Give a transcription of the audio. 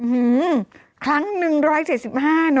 หื้อครั้ง๑๗๕เนอะ